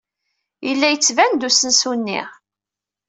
Yella yettban-d usensu-nni.